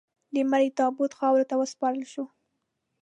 د مړي تابوت خاورو ته وسپارل شو.